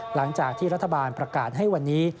หลังจากที่รัฐบาลประกาศให้วันนี้